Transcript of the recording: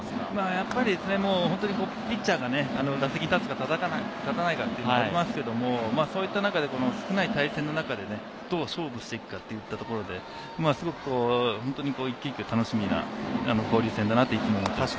やっぱりピッチャーが打席に立つか立たないかというのもありますけど、そういった中で少ない対戦の中でどう勝負していくかっていったところで、すごく一球一球楽しみな交流戦だなと、いつも思いますね。